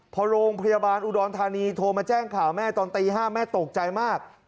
พอโรงพยาบาลอุดรธานีโทรมาแจ้งข่าวแม่ตอนตี๕แม่ตกใจมาก